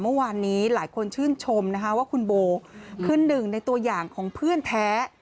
เมื่อวานนี้หลายคนชื่นชมนะคะว่าคุณโบคือหนึ่งในตัวอย่างของเพื่อนแท้